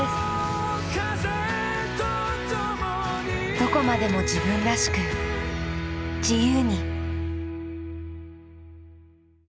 どこまでも自分らしく自由に。